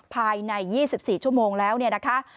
ภายใน๒๔ชั่วโมงแล้วนะคะ